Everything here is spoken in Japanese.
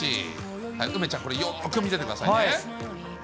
梅ちゃん、これ、よーく見ててくださいね。